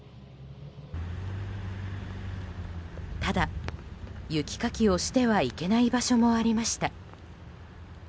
ただ、雪かきをしてはいけない場所もありました。